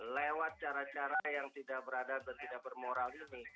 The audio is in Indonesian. lewat cara cara yang tidak berada dan tidak bermoral ini